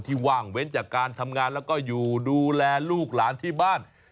ว่างเว้นจากการทำงานแล้วก็อยู่ดูแลลูกหลานที่บ้าน